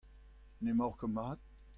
N'emaoc'h ket mat ?